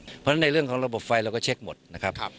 เพราะฉะนั้นในเรื่องของระบบไฟเราก็เช็คหมดนะครับ